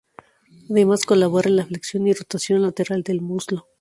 Además colabora en la flexión y rotación lateral del muslo.